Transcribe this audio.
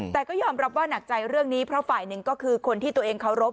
แต่ก็ยอมรับว่าหนักใจเรื่องนี้เพราะฝ่ายหนึ่งก็คือคนที่ตัวเองเคารพ